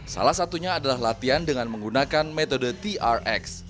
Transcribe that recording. salah satunya adalah latihan dengan menggunakan metode trx